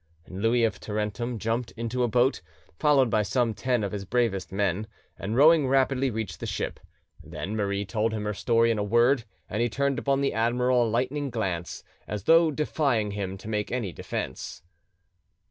Louis of Tarentum jumped into a boat, followed by some ten of his bravest men, and, rowing rapidly, reached the ship. Then Marie told him her story in a word, and he turned upon the admiral a lightning glance, as though defying him to make any defence.